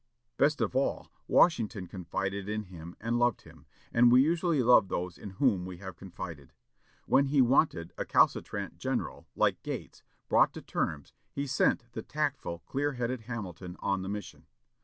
Best of all, Washington confided in him, and loved him, and we usually love those in whom we have confided. When he wanted a calcitrant general, like Gates, brought to terms, he sent the tactful, clear headed Hamilton on the mission.